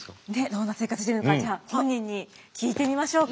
どんな生活してるのかじゃあ本人に聞いてみましょうか。